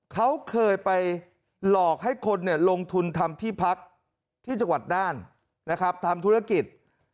เขาเคยไปหลอกให้คนลงทุนทำที่พักที่จังหวัดน่านนะครับทำธุรกิจ